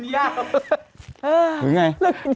เรากินย่า